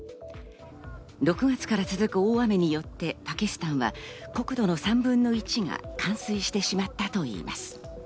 ６月から続く大雨によってパキスタンは国土の３分の１が冠水してしまったといいます。